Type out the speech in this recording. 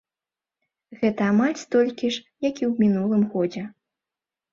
Гэта амаль столькі ж, як і ў мінулым годзе.